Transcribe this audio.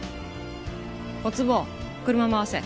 小坪車回せ。